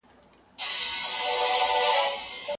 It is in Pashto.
پل غوندي بې سترګو یم ملګری د کاروان یمه